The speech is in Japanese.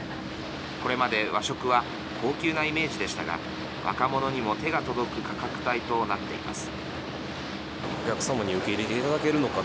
これまで和食は高級なイメージでしたが若者にも手が届く価格帯となっています。